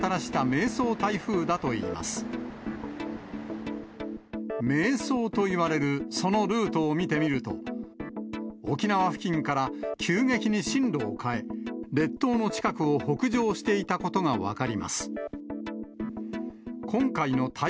迷走といわれるそのルートを見てみると、沖縄付近から急激に進路を変え、列島の近くを北上していたことが分かります。